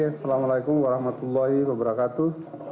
assalamualaikum warahmatullahi wabarakatuh